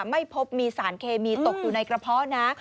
ไม่พบมีสารเคมีตกอยู่ในกระเพาะนะ